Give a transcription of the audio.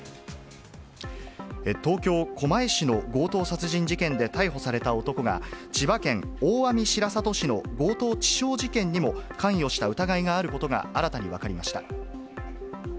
東京・狛江市の強盗殺人事件で逮捕された男が、千葉県大網白里市の強盗致傷事件にも関与した疑いがあることが、新たに分かりました。